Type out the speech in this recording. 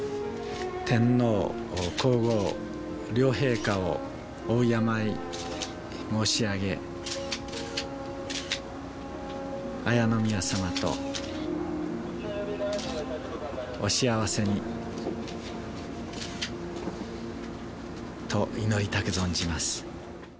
天皇皇后両陛下をお敬い申し上げ、礼宮さまとお幸せにと、祈りたく存じます。